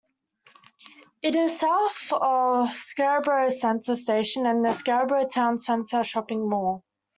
It is south of Scarborough Centre station and the Scarborough Town Centre shopping mall.